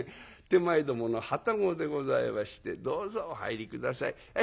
手前どもの旅籠でございましてどうぞお入り下さい。